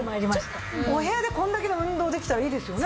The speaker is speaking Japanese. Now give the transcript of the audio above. お部屋でこれだけの運動できたらいいですよね。